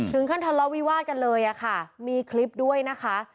ถึงขั้นทะเลาะวิวาดกันเลยค่ะมีคลิปด้วยนะคะ